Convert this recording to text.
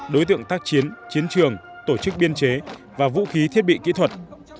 đối tượng tác chiến chiến trường tổ chức biên chế và vũ khí thiết bị kỹ thuật